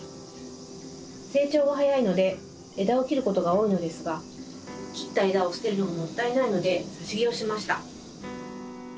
成長が早いので枝を切ることが多いのですが切った枝を捨てるのがもったいないのでさし木をしました。